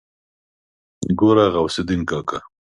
ګوره غوث الدين کاکا.